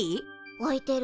置いてる？